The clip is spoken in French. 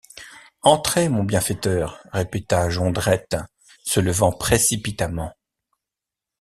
Entrez, mon bienfaiteur, répéta Jondrette se levant précipitamment.